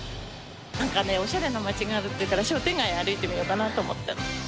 なんかね、おしゃれな街があるっていうから、商店街歩いてみようかなと思ってるの。